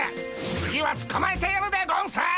次はつかまえてやるでゴンス！